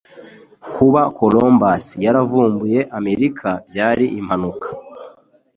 Kuba Columbus yaravumbuye Amerika byari impanuka.